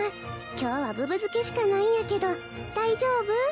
今日はぶぶ漬けしかないんやけど大丈夫？